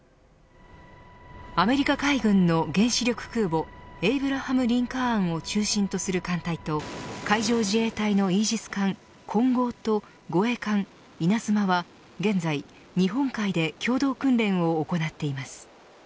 アメリカ海軍の原子力空母エイブラハム・リンカーンを中心とする艦隊と海上自衛隊のイージス艦こんごうと護衛艦いなづまは現在、日本海で共同訓練を行っています。